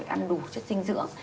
ăn đủ chất dinh dưỡng